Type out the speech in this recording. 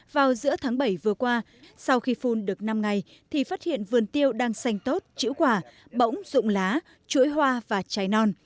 vào giữa tháng bảy vừa qua sau khi phun được năm ngày thì phát hiện vườn tiêu đang xanh tốt chữ quả bỗng dụng lá chuối hoa và trái non